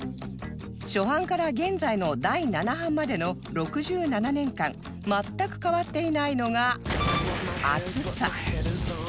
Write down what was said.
初版から現在の第七版までの６７年間全く変わっていないのが厚さ